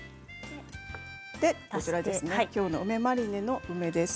きょうの梅マリネの梅です。